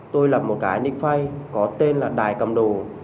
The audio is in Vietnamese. tôi lập một cái nickface có tên là đại cầm đồ